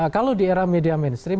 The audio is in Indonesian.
kalau di era media mainstream